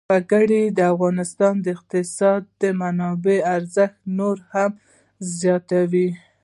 وګړي د افغانستان د اقتصادي منابعو ارزښت نور هم زیاتوي.